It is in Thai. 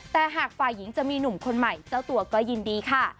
แต่หากฝ่ายหญิงจะมีหนุ่มคนใหม่เจ้าตัวก็ยินดีค่ะ